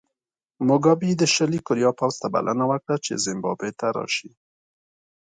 موګابي د شلي کوریا پوځ ته بلنه ورکړه چې زیمبابوې ته راشي.